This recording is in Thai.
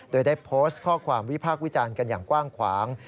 โดยได้โพสต์ข้อความวิพากษ์วิจารณ์กันอย่างกว้างขวาง